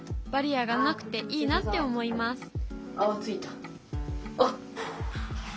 バリアがなくていいなって思います